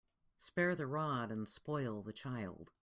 Spare the rod and spoil the child.